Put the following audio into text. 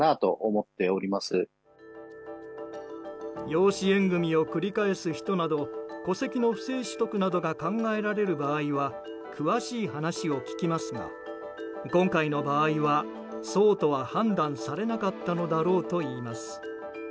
養子縁組を繰り返す人など戸籍の不正取得などが考えられる場合は詳しい話を聞きますが今回の場合はそうとは判断されなかったのだろうといいます。